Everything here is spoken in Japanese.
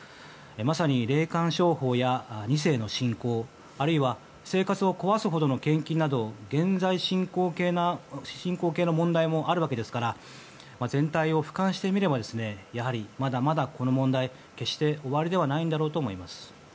まさに、霊感商法や２世の信仰あるいは生活を壊すほどの献金など現在進行形の問題もあるわけですから全体を俯瞰してみればやはりまだまだこの問題は決して終わりではないんだろうと思います。